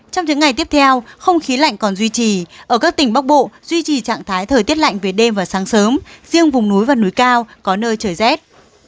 trong những ngày tiếp theo không khí lạnh còn duy trì ở các tỉnh bắc bộ duy trì trạng thái thời tiết lạnh về đêm và sáng sớm riêng vùng núi và núi cao có nơi trời rét